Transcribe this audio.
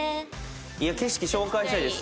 いや景色紹介したいです。